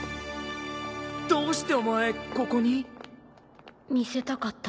どうしてお前ここに？見せたかった。